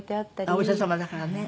ああお医者様だからね。